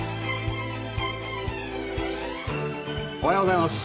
おはようございます。